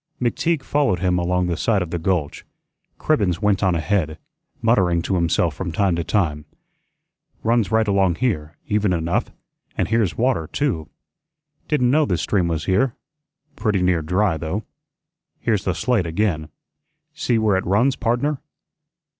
McTeague followed him along the side of the gulch. Cribbens went on ahead, muttering to himself from time to time: "Runs right along here, even enough, and here's water too. Didn't know this stream was here; pretty near dry, though. Here's the slate again. See where it runs, pardner?"